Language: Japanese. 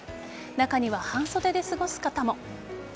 中には半袖で過ごす方も。